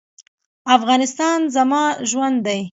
افغانستان زما ژوند دی؟